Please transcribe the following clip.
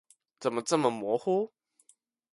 怎么这么模糊？